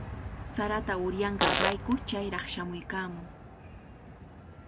Sarata uryanqaarayku chayraq shamuykaamuu.